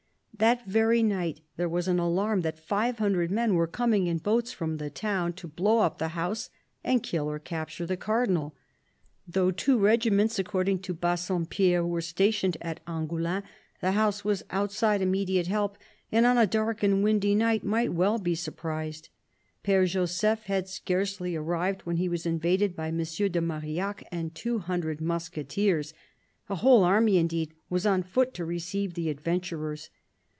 That very night there was an alarm that five hundred men were coming in boats from the town, to blow up the house and kill or capture the Cardinal. Though two regiments, according to Bassompierre, were quartered at Angoulins, the house was outside immediate help, and on a dark and windy night might well be sur prised. Pfere Joseph had scarcely arrived when he was invaded by M. de Marillac and two hundred musketeers. A whole army indeed was on foot to receive the adven turers.